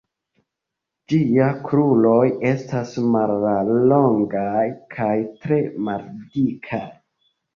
Ĝiaj kruroj estas mallongaj kaj tre maldikaj.